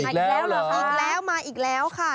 มาอีกแล้วเหรอคะอีกแล้วมาอีกแล้วค่ะอีกแล้ว